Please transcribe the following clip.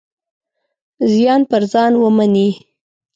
زیان پر ځان ومني.